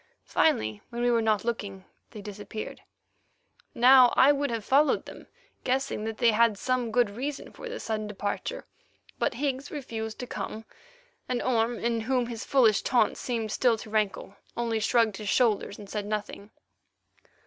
Finally, when we were not looking, they disappeared. Now I would have followed them, guessing that they had some good reason for this sudden departure. But Higgs refused to come, and Orme, in whom his foolish taunt seemed still to rankle, only shrugged his shoulders and said nothing.